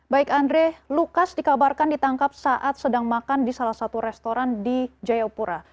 baik andre lukas dikabarkan ditangkap saat sedang makan di salah satu restoran di jayapura